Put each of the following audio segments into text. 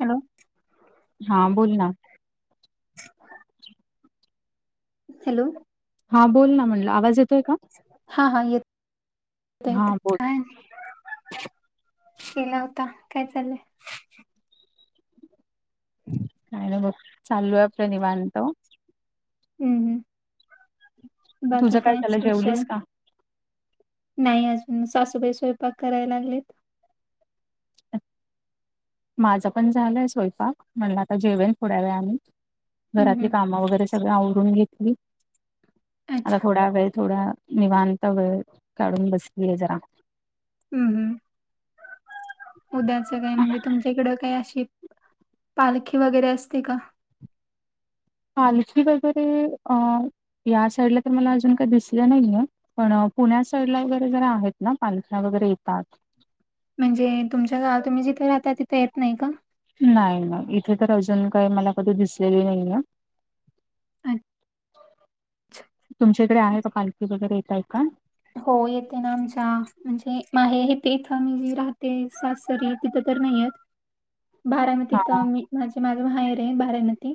Hello हा बोल ना. हॅलो! हा बोल न, म्हणलं, आवाज येतोय का? हा, हा येत येतय हां, बोल. काय आणि केला होता, काय चाललंय? [inaudible] काय नाही बघ. चालू आहे आपल निवांत. हम्म! ह् तुझं बाकी काय झालं, जेवलीस स्पेशल? का? नाही अजून सासूबाई स्वयंपाक करायला लागलेत. माझं पण झालंय स्वयंपाक म्हणलं आता जेवेन थोड्या वेळाने. हम्म घरातली हम्म कामं वगैरे सगळ आवरुन घेतली. आता अच्छा थोडा वेळ थोड्या- निवांता वेळ काढून बसलीय जरा. हम्! हम्! उद्याच काय म्हणजे तुमच्याकडं काय अशी पालखी वगैरे असते का? पालखी वगैरे अ या साईडला तर मला अजून काही दिसलं नाहीये.. पण पुण्या साईडला वगैरे जरा आहेत. ना पालख्या वगैरे येतात. म्हणजे तुमच्या गाव तुम्ही जिथे राहता तिथं येत नाही का? नाही नाही इथे तर अजून काही मला कधी दिसलेली नाही आहे. अच्छा तुमच्याकडे आहे का पालखी वगैरे येतय का? हो येते ना आमच्या म्हणजे मा आहे. इथे इथं आमही जे राहते. सासरीत तिथं तर नाहीय.. बारामती हा तर मी माझे माझं माहेर आहे. बारामती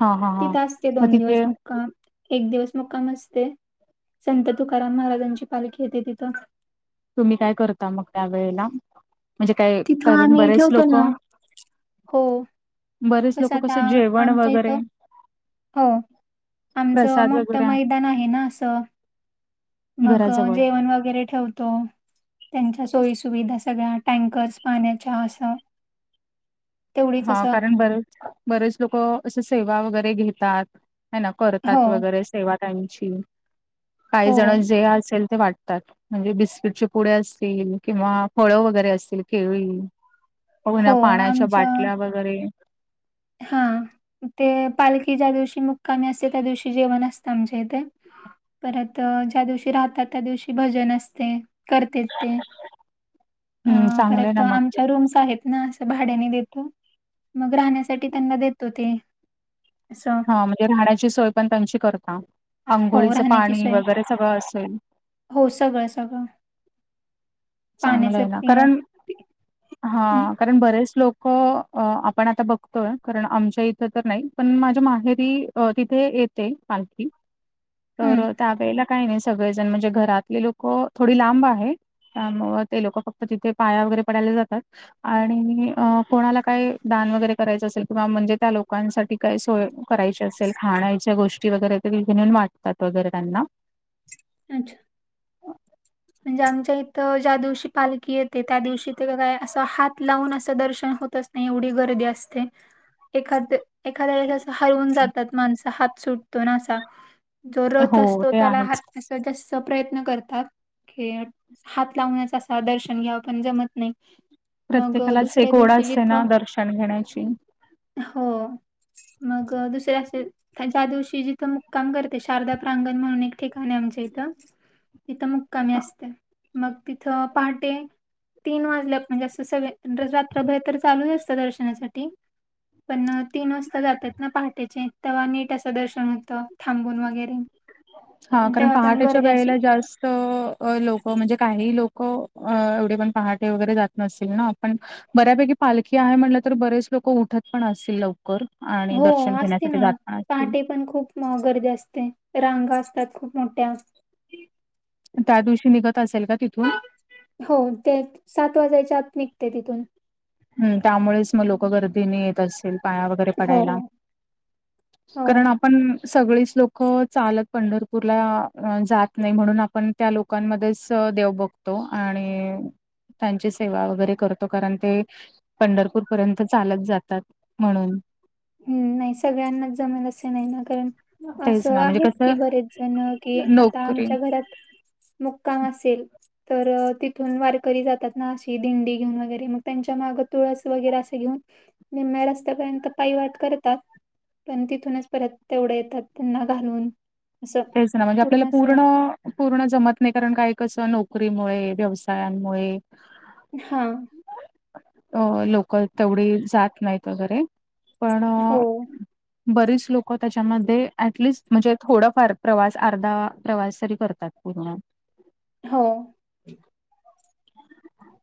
हा हा हा तिथं असते. मग दोन दिवस तिथे मुक्काम एक दिवस मुक्काम असते. संत तुकाराम महाराजांची पालखी येते तिथं. तुम्ही काय करता. मग त्या वेळेला म्हणजे काय तिथं कारण आम्ही बरेच ठेवतो ना लोकं हो बरेच तसं लोकं आता कस जेवण आमच्या वगैरे.. इथं हो आमचं प्रसाद मोठं वगैरे मैदान आहे. ना असं मग घराजवळ जेवण वगैरे ठेवतो. त्यांच्या सोयी सुुविधा सगळ्या टँकर्स पाण्याच्या असं.. तेवढीच हां असं कारण बरेच बरेच लोकं असं सेवा वगैरे घेतात. हा ना हो करतात. वगैरे सेवा त्याची काही हो हो जण जे असेल. ते वाटतात. म्हणजे बिस्किटचे पुडे असतील किंवा फळ वगैरे असतील. केळी, हो ना, पाण्याच्या बाटल्या वगैरे. हां. ते पालखी ज्या दिवशी मुक्कामी असते. त्या दिवशी जेवण असतं. आमच्या इथे, परत ज्या दिवशी राहतात. त्या दिवशी भजन असते. करतेत. ते अ हम्म चांगलं आहे परत ना मग आमच्या. ते. रूम्स आहेत ना भाड्याने देते. त्यांना देतो ते असं. हा म्हणजे राहण्याची सोय पण त्यांची करता. हो आंघोळीचं राहण्याची पाणी सोय वगैरे सगळं असेल, हो सगळं सगळं. चांगलं आहे, ना कारण, ते हा कारण बरेच लोकं आपण आता बघतोय. कारण आमच्या इथं तर नाही. पण माझ्या माहेरी तिथे येते पालखी. [inaudible] तर त्यावेेळेला काही नाही. सगळेजण म्हणजे घरातले लोक थोडी लांब आहेत. त्यामुळ ते लोक फक्त तिथे पाया वगैरे पडायला जातात. आणि कोणाला काय दान वगैरे करायचं असेल. किंवा म्हणजे त्या लोकांसाठी, काय सोय करायची असेल. खान्याच्या गोष्टी वगैरे त्यांनी वाटतात वगैरे त्यांना. अच्छा. म्हणजे आमच्या इथं ज्या दिवशी पालखी येते. त्या दिवशी ते काय असं हात लावून असं दर्शन होत असत. एवढी गर्दी असते एखाद एखाद्या वेळेस हरवून जातात माणसं हात सुटतो असा. जो रथ हो असतो. ते त्याला आहेच. हात जास्त प्रयत्न करतात. की हात लावण्याच असं दर्शन घ्यायला पण जमत नाही. मग प्रत्येकालाच दुसऱ्या एक ओढ दिवशी असते ना जिथं दर्शन घेण्याची. हो, मग दुसरे असे ज्या दिवशी जिथं मुक्काम करते. शारदा प्रांगण म्हणून एक ठिकाण आहे आमच्या इथं. तिथं मुक्कामी असते. मग तिथं पहाटे तीन वाजल्या म्हणजे असं सगळे, पण रात्रभर तर चालूच असतं दर्शनासाठी, पण तीन वाजता जात्यात. ना पहाटेचे तेव्हा नीट असं दर्शन होत थांबून वगैरे, हां पण कारण तेव्हा पण पहाटेच्या गर्दी अशी वेळेला जास्त लोक म्हणजे काही लोक एवढे पण पहाटे वगैरे जात नसतील ना. आपण बऱ्यापैकी पालखी आहे. म्हटलं तर बरेच लोक उठत पण असतील लव कर आणि हो दर्शन घेण्यासाठी जात असतील. मग गर्दी असते. रांगा असतात खूप मोठ्या त्या दिवशी निघत असेल का तिथून, हो ते सात वाजायच्या आत निघते तिथून, हम त्यामुळेच मग लोक गर्दीने येत असतील. पाया वगैरे, हो पडायला. हो कारण आपण पण सगळीच लोक चालत पंढरपूरला जात नाही. म्हणून आपण त्या लोकांमध्येच देव बघतो आणि त्यांची सेवा वगैरे करतो. कारण ते पंढरपूर पर्यंत चालत जातात. म्हणून, हम्म, नाही सगळ्यांनाच जमेल असं नाही ना. कारण, तेच असं ना म्हणजे आहेत की कसं बरेच जण कि आता नोकरी आमच्या घरात मुक्काम असेल, तर तिथून वारकरी जातात ना. अशी दिंडी घेऊन वगैरे मग त्यांच्या मागं तुळस वगैरे असे घेऊन निम्या रस्त्यापर्यंत काई वाट करतात पण तिथूनच परत तेवढं येतात त्यांना घालून असं तेच ना म्हणजे आपल्याला पूर्ण पूर्ण जमत नाही कारण काय कसं नोकरीमुळे व्यवसायांमुळे हा अ लोक तेवढी जात नाहीत वगैरे पण हो बरीच लोक त्याच्यामध्ये अटलिस् म्हणजे थोडफार प्रवास अर्धा प्रवास तरी करतात पूर्ण हो [inaudible]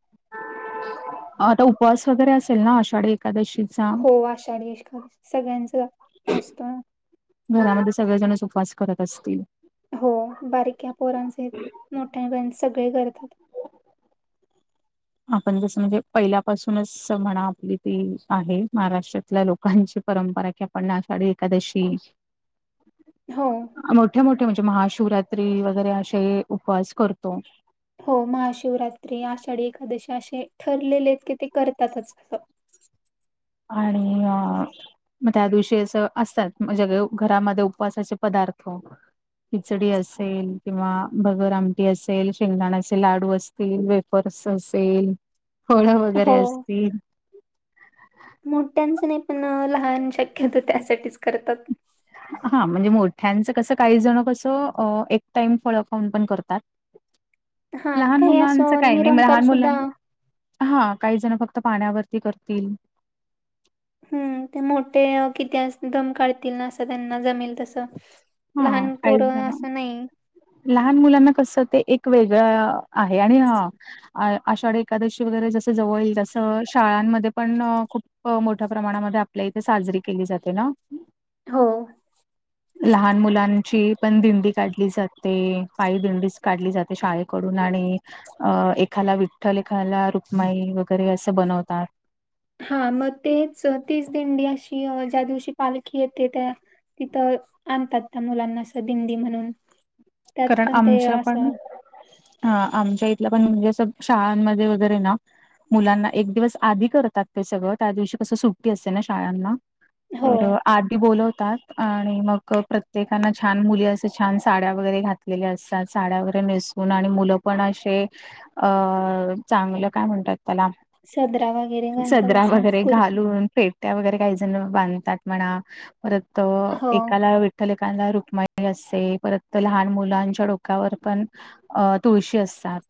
आता उपवास वगैरे असेल ना आषाढी एखकादशी हो आषाढीश्कर सगळ्यांच असतो ना घरामध्ये सगळेजणस उपवास करत असतील हो बारीक्या पोरांचे मोठ्या ब सगळे करतात आपण जसं म्हणजे पहिल्यापासूनच म्हणा आपली ती आहे महाराष्ट्रातल्या लोकांची परंपरा की आपणला आषाढी एकादशी हो मोठे मोठे म्हणजे महाशिवरात्री वगैरे असे उपवास करतो हो महाशिवरात्री आषाढी एकादशी असे ठरलेले आहेत की ते करतातच असं आणि अ मग त्या दिवशी असं असतात जे घरामध्ये उपवासाचे पदार्थ खिचडी असेल किंवा भगर आमटी असेल शेंगदाण असेल लाडू असल अस वेपर्स असेल फोळ वगैरे हो असतील मोठ्यांचं नाही पण लहान शक्यत त्यासाठीच करतात हा म्हणजे मोठ्यांचं कसं काही जण कसं एक टाइम फळफाऊन पण करतात हा लहान काही मुलांच असं काही नाही निरंकार लहान सुद्धा मुलां हा काही जण फक्त पाण्यावरती करतील हम्म ते मोठे किती दम काढतील ना असं त्यांना जमेल तसं हा लहान ऐस पोरं जण असं नाही लहान मुलांना कसं ते एक वेगळं आहे आणि ह अ आषाढी एकादशी वगैरे जस जवळ येईल तसं शाळांमध्ये पण खूप मोठ्या प्रमाणामध्ये आपल्या इथे साजरी केली जाते ना हो लहान मुलांची पण दिंडी काढली जाते पाय दिंडी काढली जाते शाळेकडून आणि अ एखाला विठ्ठल एखाला रुपमाई वगैरे असं बनवतात हा मग तेच तीच दिंडी अशी ज्या दिवशी पालखी येते त्या तिथं आणतात त्या मुलांना असं भिंदी म्हणून त्यात कारण पण ते आमच्या पण असं हा आमच्या इथलं पण म्हणजे शाळांमध्ये वगैरे ना मुलांना एक दिवस आधी करतात ते सगळं त्या दिवशी कसं सुट्टी असते ना शाळांना हो तर आठी बोलवतात आणि मग प्रत्येकाना छान मुली असे छान साड्या वगैरे घातलेले असतात साड्या वगैरे नेसून आणि मुलं पण असे अ चांगलं काय म्हणतात त्याला सदरा वगैरे घालतात सदरा असा वगैरे कुर्ता घालून फेट त्या वगैरे काही जण बांधतात म्हणा परत त हो एकाला कलेकांला रुक्मा असते परत तर लहान मुलांच्या डोक्यावर पण अ तुळशी असतात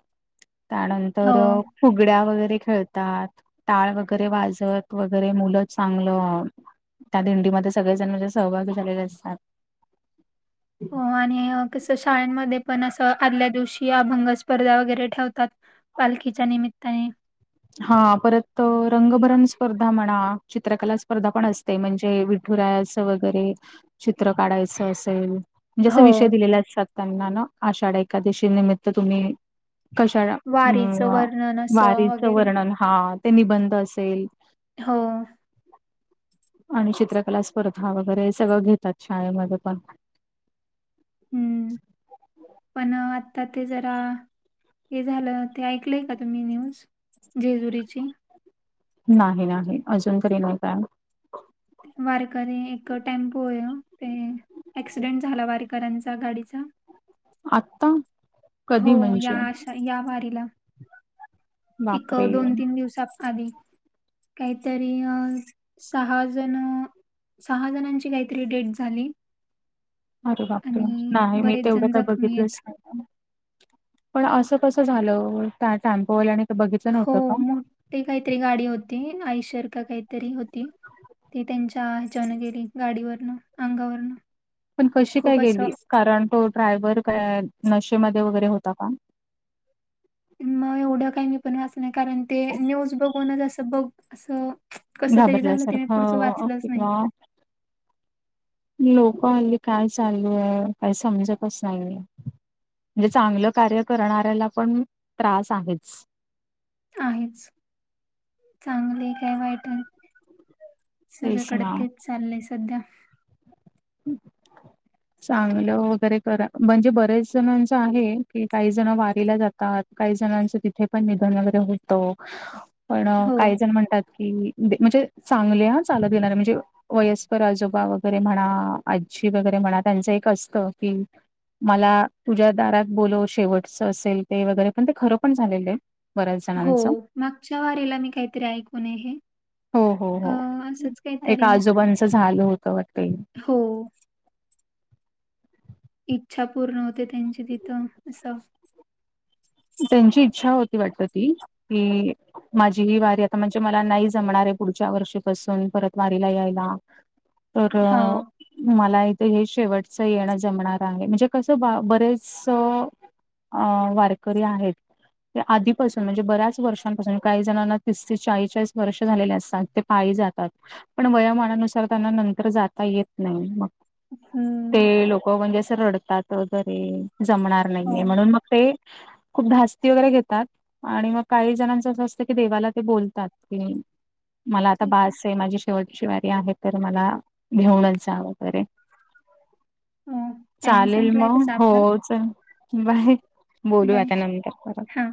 हो त्यानंतर फुगड्या वगैरे खेळतात टाळ वगैरे वाजत वगैरे मुलं चांगलं त्या दिंडीमध्ये सगळे जण माणझे सहभाग झालेले असतात हो आणि कसं शाळांमध्ये पण असं आदल्या दिवशी अभंग स्पर्धा वगैरे ठेवतात. पालखीच्या निमित्ताने. हा परत रंगभरण स्पर्धा म्हणा चित्रकला स्पर्धा पण असते ते म्हणजे विठुरायाचं वगैरे चित्र काढायचं असेल. जस हो विषय दिलेले असतात त्यांना ना आषाढा एकादशी निमित्त तुम्ही कशा वारीचं वर्णन असं वारीचं वगैरे वर्णन हा ते निबंध असेल. हो. आणि चित्रकला स्पर्धा वगैरे सगळं घेतात शाळेमध्ये पण, हम्म [inaudible] पण आता ते जरा, हे झालं ते ऐकलंय का तुम्ही न्यूज जेजुरीची, नाही नाही अजून तरी नाही काय. ते वारकरी एक टेम्पो हो ते. अॅक्सिडेंट झाला वारीकरांचा गाडीचा आता. हो या आशा या वारीला. एक बापरे! दोन तीन दिवसा आधी. काहीतरी अ सहा जण, सहा जणांची काहीतरी डेथ झाली. अरे बापरे आणि नाही मी बरेच तेवढं जण काय जखमी आहेत बघितलंच नाही. पण असं कस झालं त्या टॅम्पोवाल्याने ते बघितच नव्हत का. ते काहीतरी गाडी होती आयषर का काहीतरी होती. ती त्यांच्या ह्याच्यानं गेली गाडीवरनं अंगावरनं. पण कशी काय खूप असं गेली कारण तो ड्रायव्हर काय नशेमध्ये वगैरे होता का. मग एवढं काही मी पण वाचणार कारण ते न्यूज बघूनच असं बघ असं. कसं तरी झालं ते मी घाबरल्यासारखं पुढचं वाचलंच ओके नाही हा लोक हल्ली काय चालूय काय समजतच नाहीय. म्हणजे चांगलं कार्य करणाऱ्याला पण त्रास आहेच. आहेच चांगले काय वाईट आहे. तेच सगळ्याकडे ना. तेच चाललंय सध्या. हम् चांगलं वगैरे करा म्हणजे बरेच जणांचं आहे की काही जण वारीला जात काही जणांचं तिथे पण निधन वगैरे होतं. [inaudible] पण काही जण म्हणतात. कि म्हणजे चांगले ह चालत गणार म्हणजे वयस्कर आजोबाा वगैरे म्हणा आजी वगैरे म्हणा त्यांचं एक असतं कि मला तुझ्या दारात बोलो शेवटच असेल ते वगैरे पण ते खरं पण झालेलं आहे. बऱ्याच हो जणांचं मागच्या वारीला मी काहीतरी ऐकून आहे. हे हो हो अ हो असंच एक काहीतरी आजोबांचं झालं होतं वाट ते हो.. इच्छा पूर्ण होते. त्यांची तिथं असं. त्यांची इच्छा होती. वाटत ती की, माझी ही वारी आता म्हणजे मला नाही जमणार आहे. पुढच्या वर्षीपासून परत वारीला यायला. तर.. हा मला इथे हे शेवटच येणं जमणार आहे. म्हणजे कसं बा बरेचंस अ वारकरी आहेत. आधीपासून म्हणजे बऱ्याच वर्षांपासून काही जणांना तीस तेस चाळीचाळीस वर्ष झालेले असतात. ते पाळी जातात. पण वयामानानुसार त्यांना नंतर जाता येत नाही मग, हम्म ते लोक म्हणजे अस रडतात. जरी जमणार हो नाहीये म्हणून मग ते.. खूप धास्ती वगैरे घेतात. आणि मग काही जणांच असं असतं की देवाला ते बोलतात. की.. मला आता बास आहे. माझी शेवटीची वारी आहे. तर मला घेऊनच जा वगैरे हो टाइम चालेल. संपलाय मग तसा हो आपला चल बाय बोलू बाय आता नंतर परत.. हा